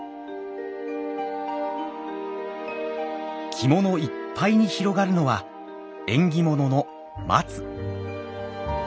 着物いっぱいに広がるのは縁起物の「松」。